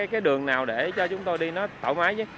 cái đường nào để cho chúng tôi đi nó tổ máy chứ